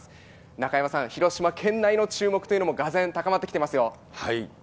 中山さん、広島県内の注目というのもがぜん高まってきていますよ。